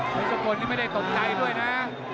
เป็นส่วนคนที่ไม่ได้ตกในด้วยนะ